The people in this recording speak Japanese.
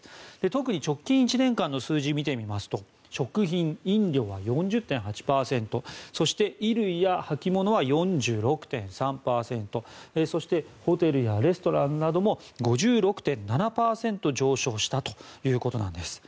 特に直近１年間の数字を見てみますと食品・飲料は４０．８％そして衣類や履物は４６．３％そして、ホテルやレストランなども５６．７％上昇したということなんです。